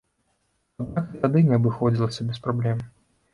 Аднак і тады не абыходзілася без праблем.